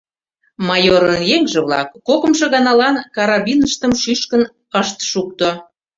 Майорын еҥже-влак кокымшо ганалан карабиныштым шӱшкын ышт шукто.